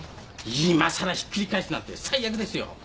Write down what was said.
いまさらひっくり返すなんて最悪ですよ。